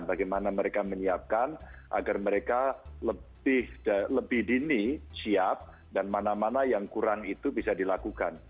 bagaimana mereka menyiapkan agar mereka lebih dini siap dan mana mana yang kurang itu bisa dilakukan